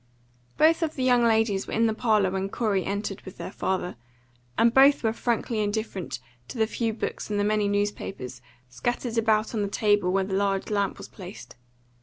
Both of the young ladies were in the parlour when Corey entered with their father, and both were frankly indifferent to the few books and the many newspapers scattered about on the table where the large lamp was placed.